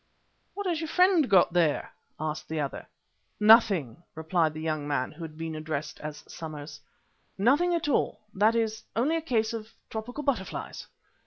"What has your friend got there?" asked the other. "Nothing," replied the young man who had been addressed as Somers, "nothing at all; that is only a case of tropical butterflies."